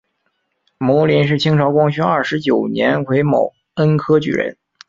牟琳是清朝光绪二十九年癸卯恩科举人。